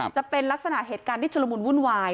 จะเป็นลักษณะเหตุการณ์ที่ชุลมุนวุ่นวาย